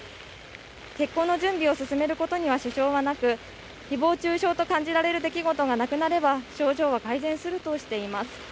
結婚の準備を進められることには師匠はなく、誹謗中傷と感じられる出来事がなくなれば症状は改善するとしています。